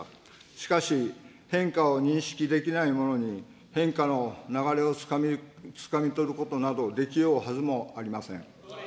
しかし、変化を認識できない者に変化の流れをつかみ取ることなどできようはずもありません。